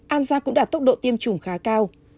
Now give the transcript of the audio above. an giang cũng đạt tốc độ tiêm chủng khá cao